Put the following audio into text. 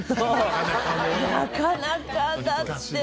なかなかだって。